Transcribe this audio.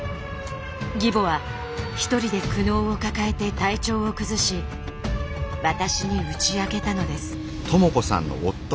義母は一人で苦悩を抱えて体調を崩し私に打ち明けたのです。